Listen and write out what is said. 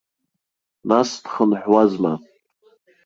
Нас дхынҳәуазма.